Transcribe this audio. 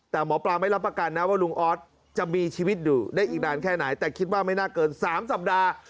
แต่หมอปลาไม่รับประกันนะว่าลุงออสจะมีชีวิตอยู่ได้อีกนานแค่ไหนแต่คิดว่าไม่น่าเกิน๓สัปดาห์